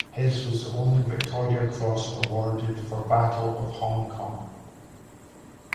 His was the only Victoria Cross awarded for Battle of Hong Kong.